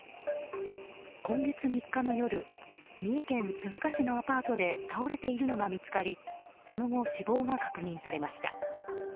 今月３日の夜三重県鈴鹿市のアパートで倒れているのが見つかりその後、死亡が確認されました。